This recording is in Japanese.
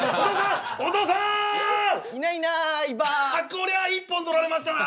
こりゃ一本取られましたな。